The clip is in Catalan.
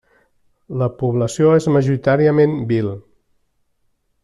La població és majoritàriament bhil.